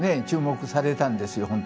注目されたんですよ